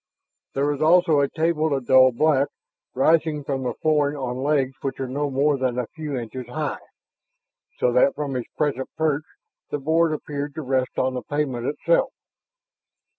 There was also a table of dull black, rising from the flooring on legs which were not more than a very few inches high, so that from his present perch the board appeared to rest on the pavement itself.